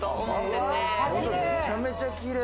めちゃめちゃ綺麗！